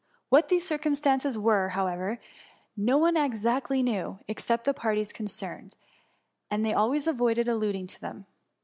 What these circumstances were, however, no one ex» actly knew, except the parties concerned, and they always avoided alluding to them.